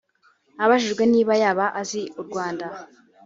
Abajijwe niba yaba azi u Rwanda